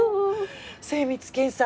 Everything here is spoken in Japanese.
精密検査